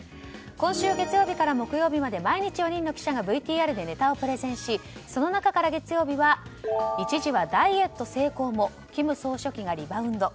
今週月曜日から木曜日まで毎日４人の記者がＶＴＲでネタをプレゼンしその中から月曜日は一時はダイエット成功も金総書記がリバウンド。